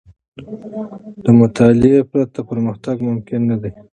له مطالعې پرته، پرمختګ ممکن نه دی.